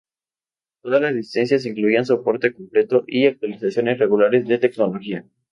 Todas las licencias incluían soporte completo y actualizaciones regulares de tecnología.